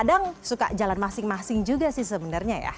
kadang suka jalan masing masing juga sih sebenarnya ya